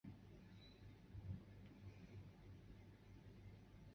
中间最高的一座与崇圣寺大门构成景区中轴线。